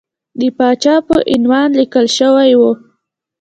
د پاچا په عنوان لیکل شوی وو.